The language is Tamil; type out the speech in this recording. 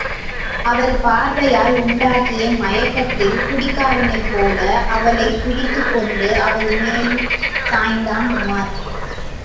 அவள் பார்வையால் உண்டாகிய மயக்கத்தில் குடிகாரனைப் போல், அவளைப் பிடித்துக் கொண்டு அவள் மேல் சாய்ந்தான் உமார்.